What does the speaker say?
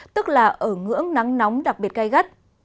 tức là ở ngưỡng nắng nóng đặc biệt gây gắt